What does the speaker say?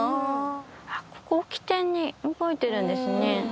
ここを起点に動いてるんですね。